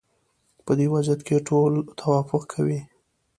په دې وضعیت کې ټول توافق کوي.